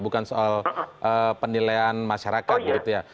bukan soal penilaian masyarakat begitu ya